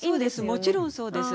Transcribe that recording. もちろんそうです。